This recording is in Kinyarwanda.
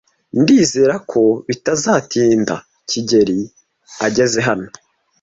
Ndizera ko bitazatinda kigeli ageze hano.